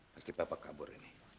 pasti papa kabur ini